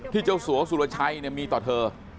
เจ้าสัวสุรชัยมีต่อเธอ